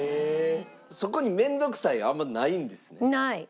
そこに面倒くさいはあんまないんですね？